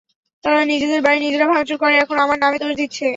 তারা নিজেদের বাড়ি নিজেরা ভাঙচুর করে এখন আমার নামে দোষ দিচ্ছে।